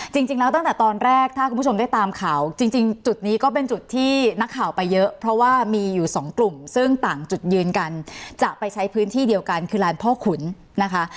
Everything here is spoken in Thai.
จริงแล้วตั้งแต่ตอนแรกถ้าคุณผู้ชมได้ตามข่าวจริงจุดนี้ก็เป็นจุดที่นักข่าวไปเยอะเพราะว่ามีอยู่สองกลุ่มซึ่งต่างจุดยืนกันจะไปใช้พื้นที่เดียวกันคือลานพ่อขุนนะคะ